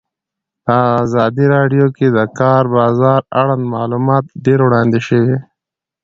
په ازادي راډیو کې د د کار بازار اړوند معلومات ډېر وړاندې شوي.